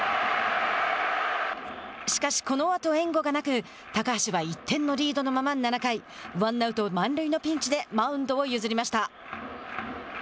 しかし、このあと援護がなく高橋はリードのまま７回ワンアウト、満塁のピンチでマウンドを譲りました。